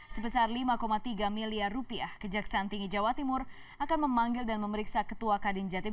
sebesar lima tiga miliar rupiah kejaksaan tinggi jawa timur akan memanggil dan memeriksa ketua kadin jatim